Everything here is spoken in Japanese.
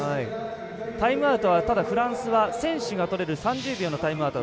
タイムアウトはただフランスは選手がとれる３０秒のタイムアウトは